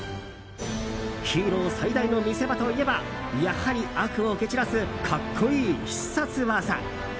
ヒーロー最大の見せ場といえばやはり、悪を蹴散らす格好いい必殺技。